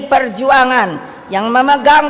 perjuangan yang memegang